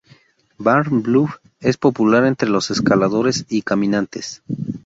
Barn Bluff es popular entre los escaladores y caminantes.